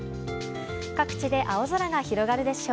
各地で青空が広がるでしょう。